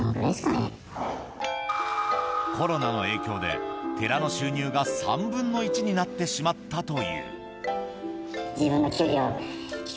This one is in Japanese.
コロナの影響で寺の収入が３分の１になってしまったという。